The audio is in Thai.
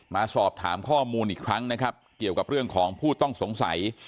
มาสอบถามข้อมูลอีกครั้งนะครับเกี่ยวกับเรื่องของผู้ต้องสงสัย